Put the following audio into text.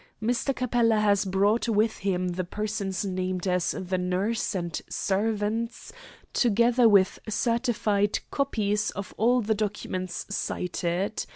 Mr. Capella has brought with him the persons named as the nurse and servants, together with certified copies of all the documents cited.